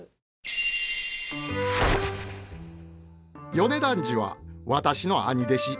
米團治は私の兄弟子。